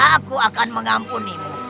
aku akan mengampunimu